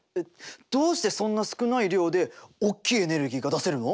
どうしてそんな少ない量でおっきいエネルギーが出せるの？